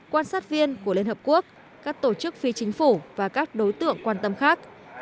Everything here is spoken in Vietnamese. quan sát viên của liên hợp quốc các tổ chức phi chính phủ và các đối tượng quan tâm khác